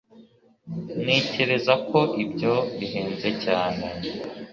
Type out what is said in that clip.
ntekereza ko ibyo bihenze cyane